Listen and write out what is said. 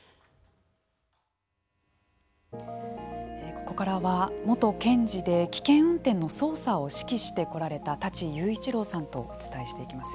ここからは元検事で危険運転の捜査を指揮してこられた城祐一郎さんとお伝えしていきます。